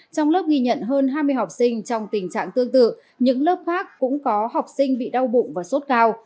trong lớp ghi nhận hơn hai mươi học sinh trong tình trạng tương tự những lớp khác cũng có học sinh bị đau bụng và sốt cao